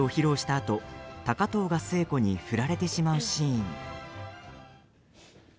あと高藤が寿恵子に振られてしまうシーン。